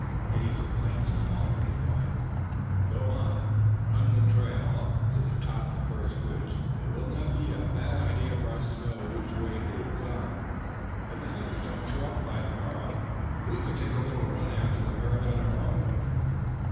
He's a plainsman already, boys. Go on. Run the trail up to the top of this first ridge. It will not be a bad idea for us to know which way they've gone. If the hunters don't show up by to morrow we can take a little run after the herd on our own hook."